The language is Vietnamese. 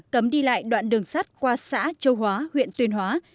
cấm đi lại đoạn đường sắt qua xã châu hóa huyện tuyên hóa